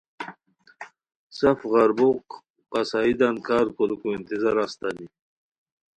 سف غربو قصائدان کار کوریکو انتظارہ استانی